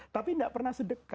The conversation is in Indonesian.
tapi tidak pernah sedekah